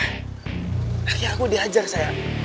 akhirnya aku diajar sayang